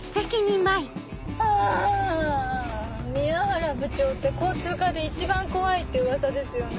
あぁ宮原部長って交通課で一番怖いって噂ですよね。